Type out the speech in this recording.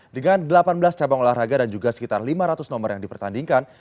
dengan delapan belas cabang olahraga dan juga sekitar lima ratus nomor yang dipertandingkan